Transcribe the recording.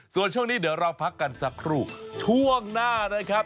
ส่วนช่วงนี้เดี๋ยวเราพักกันสักครู่ช่วงหน้านะครับ